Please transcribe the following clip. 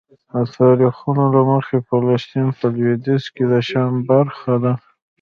د تاریخونو له مخې فلسطین په لویدیځ کې د شام برخه ده.